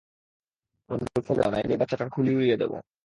বন্দুক ফেলে দাও নাহলে এই বাচ্চাটার খুলি উড়িয়ে দিব।